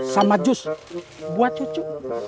sama jus buat cucu